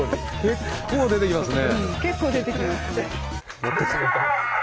結構出てきますね。